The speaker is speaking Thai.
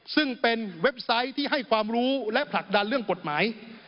ซึ่งเป็นเว็บไซต์ที่ให้ความรู้และผลักดันเรื่องกฎหมาย